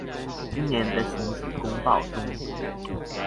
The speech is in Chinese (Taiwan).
今年的選舉公報中